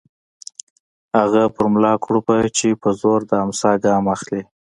هغه په ملا کړوپه چې په زور د امساء ګام اخلي